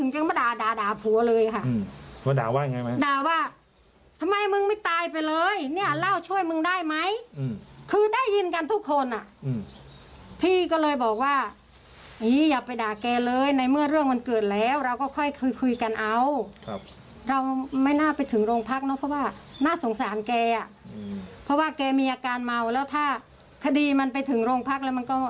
คดีมันไปถึงโรงพักษณ์แล้วมันก็ยุ่งยากเรื่องคดีเมาแล้วครับ